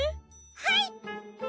はい！